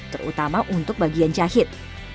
terutama untuk bagian jahit